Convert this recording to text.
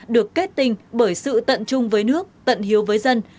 được kết tinh bởi sự tận chung với nước tận hiếu với dân